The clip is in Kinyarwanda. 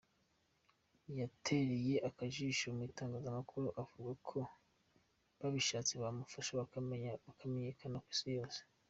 Yatereye akajisho mu itangazamakuru avuga ko babishatse bamufasha kumenyekana ku isi yose.